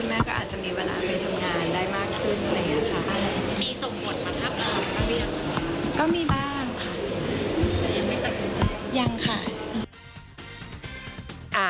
ยังค่ะ